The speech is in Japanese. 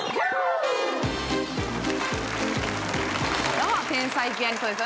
どうも天才ピアニストです。